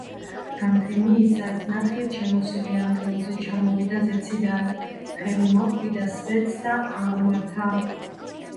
გამთენიისას ნათლით შემოსილი ანგელოზი ჩამოვიდა ზეციდან, ხელი მოჰკიდა სვეტს და აღმართა.